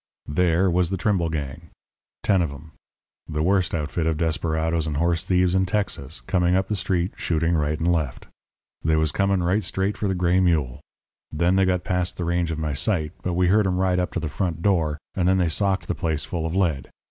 "There was the Trimble gang ten of 'em the worst outfit of desperadoes and horse thieves in Texas, coming up the street shooting right and left. They was coming right straight for the Gray Mule. Then they got past the range of my sight, but we heard 'em ride up to the front door, and then they socked the place full of lead.